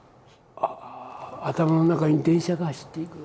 頭の中に電車が走っていくよ。